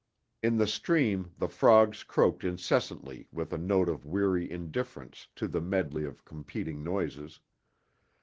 In the stream the frogs croaked incessantly with a note of weary indifference to the medley of competing noises.